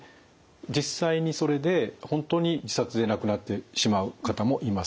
実際にそれで本当に自殺で亡くなってしまう方もいます。